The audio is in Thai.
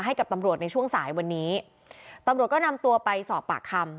และตัวปืนที่ใช้ก่อเหตุในช่วงสาย